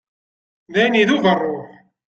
Dayen idub rruḥ.